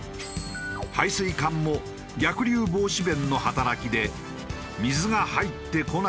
排水管も逆流防止弁の働きで水が入ってこない仕組み。